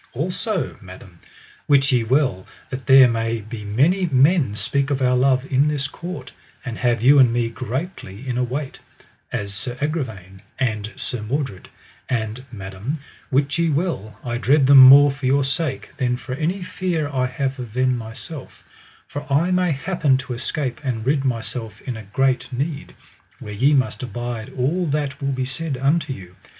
Also, madam, wit ye well that there be many men speak of our love in this court, and have you and me greatly in await, as Sir Agravaine and Sir Mordred; and madam, wit ye well I dread them more for your sake than for any fear I have of them myself, for I may happen to escape and rid myself in a great need, where ye must abide all that will be said unto you.